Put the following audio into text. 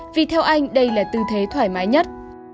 vì theo anh đây là tư thế thoải mái nhất